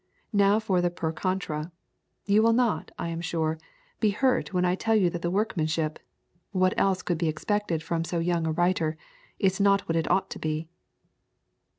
Now for the per contra. You will not, I am sure, be hurt when I tell you that the workmanship (what else could be expected from so young a writer?) is not what it ought to be.